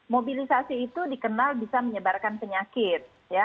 mobilisasi itu dikenal bisa menyebarkan penyakit